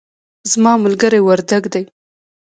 زما ملګری وردګ دی